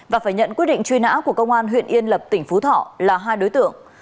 và phải nhận quyết định truy nã của công an huyện yên lập tỉnh phú thọ là hai đối tượng